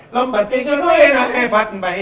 ล้อมไปสิคลุยหน้าให้ฝัดใบ